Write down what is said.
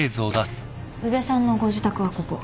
宇部さんのご自宅はここ。